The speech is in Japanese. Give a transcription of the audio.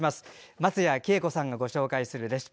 松谷紀枝子さんが紹介するレシピ。